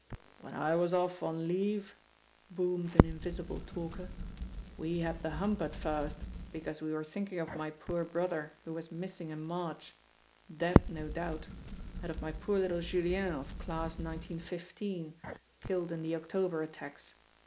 "When I was off on leave," boomed an invisible talker, "we had the hump at first, because we were thinking of my poor brother who was missing in March dead, no doubt and of my poor little Julien, of Class 1915, killed in the October attacks.